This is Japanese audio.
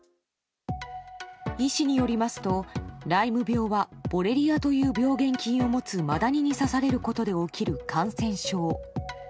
医師によりますと、ライム病はボレリアという病原菌を持つマダニに刺されることで起きる感染症。